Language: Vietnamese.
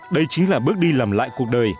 đây chính là bước đi làm lại cuộc đời